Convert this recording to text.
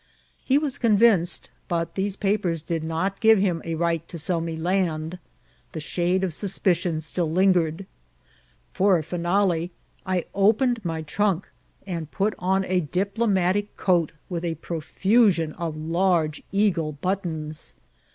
He was convinced, but these papers did not give him a right to sell me his land ; the shade of sus picion still lingered ; for a finale, I opened my tnmk, and put on a diplomatic coat, with a profusion of large eagle buttons.